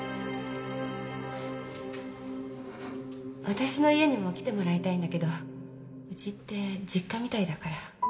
わたしの家にも来てもらいたいんだけどうちって実家みたいだから